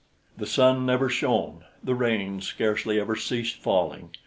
The sun never shone; the rain scarcely ever ceased falling.